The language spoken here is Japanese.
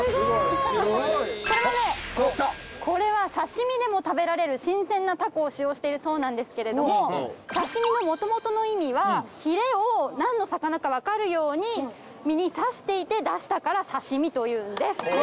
これは刺し身でも食べられる新鮮なタコを使用しているそうなんですけど刺し身のもともとの意味はひれを何の魚か分かるように身に刺していて出したから刺し身というんです。